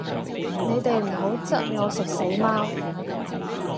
你哋唔好質我食死貓